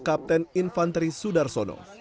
kapten infanteri sudarsono